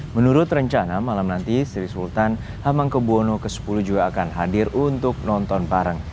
menurut rencana malam nanti sri sultan hamengkebuwono x juga akan hadir untuk nonton bareng